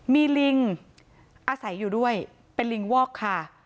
มีลิงอาศัยอยู่ด้วยเป็นลิงวอกค่ะ